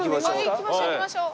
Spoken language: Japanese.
行きましょう行きましょう。